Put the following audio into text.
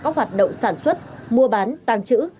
các hoạt động sản xuất mua bán tăng trữ